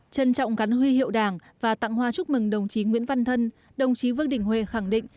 trân trọng gắn huy hiệu đảng và tặng hoa chúc mừng đồng chí nguyễn văn thân đồng chí vương đình huệ khẳng định